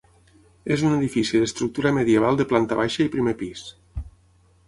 És un edifici d'estructura medieval de planta baixa i primer pis.